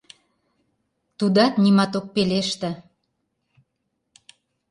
Тудат нимат ок пелеште.